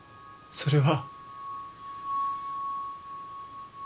それは。